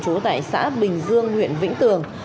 chú tải xã bình dương huyện vĩnh tường